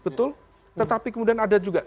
betul tetapi kemudian ada juga